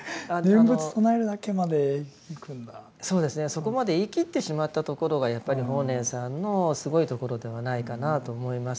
そこまで言い切ってしまったところがやっぱり法然さんのすごいところではないかなと思います。